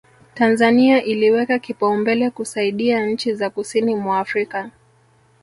Tanzania iliweka kipaumbele kusaidia nchi za kusini mwa Afrika